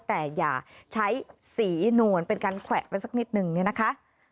แต่อย่าใช้สีนวลเป็นการแขวะไปสักนิดนึงเนี่ยนะคะ